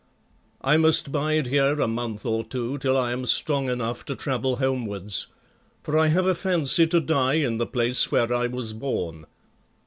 I must bide here a month or two till I am strong enough to travel homewards, for I have a fancy to die in the place where I was born.